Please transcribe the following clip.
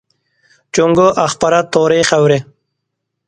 جۇڭگو ئاخبارات تورى خەۋىرى.